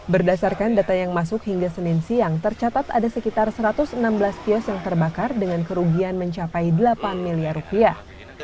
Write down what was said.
berdasarkan data yang masuk hingga senin siang tercatat ada sekitar satu ratus enam belas kios yang terbakar dengan kerugian mencapai delapan miliar rupiah